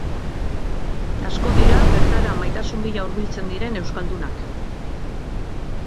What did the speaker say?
Asko dira bertara maitasun bila hurbiltzen diren euskaldunak.